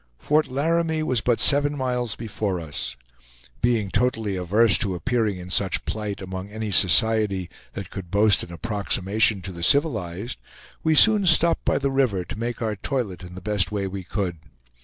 Fort Laramie was but seven miles before us. Being totally averse to appearing in such plight among any society that could boast an approximation to the civilized, we soon stopped by the river to make our toilet in the best way we could.